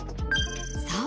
［そう。